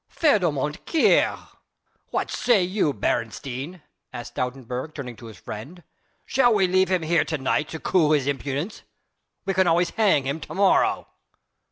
"Verdommte Keerl! What say you, Beresteyn," added Stoutenburg turning to his friend, "shall we leave him here to night to cool his impudence, we can always hang him to morrow."